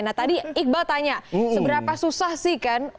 nah tadi iqbal tanya seberapa susah sih kan